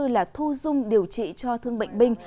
là thu dung điều trị cho thương bệnh binh